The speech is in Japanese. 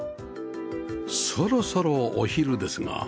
そろそろお昼ですが